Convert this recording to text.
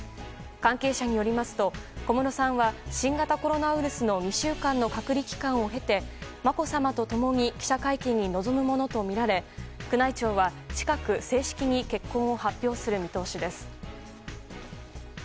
関係者によりますと小室さんは新型コロナウイルスの２週間の隔離期間を経てまこさまと共に記者会見に臨むものとみられ宮内庁は近く正式に結婚を発表する見通しです。